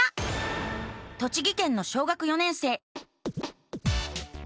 栃木県の小学４年生。